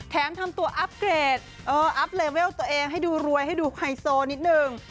ทำตัวอัพเกรดอัพเลเวลตัวเองให้ดูรวยให้ดูไฮโซนิดนึง